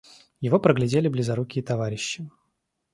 Его проглядели близорукие товарищи.